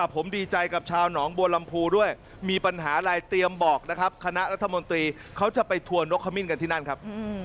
ผมดีใจกับชาวหนองบัวลำพูด้วยมีปัญหาอะไรเตรียมบอกนะครับคณะรัฐมนตรีเขาจะไปทัวร์นกขมิ้นกันที่นั่นครับ